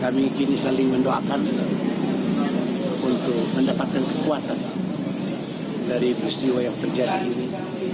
kami kini saling mendoakan untuk mendapatkan kekuatan dari peristiwa yang terjadi ini